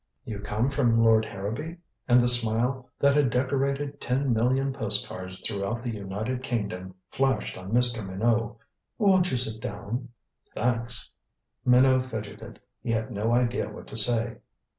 "You come from Lord Harrowby?" And the smile that had decorated ten million postcards throughout the United Kingdom flashed on Mr. Minot. "Won't you sit down?" "Thanks." Minot fidgeted. He had no idea what to say.